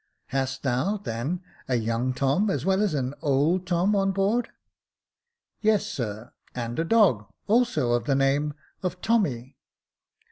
Hast thou, then, a young Tom as well as an old Tom on board .''"" Yes, sir ; and a dog, also of the name of Tommy."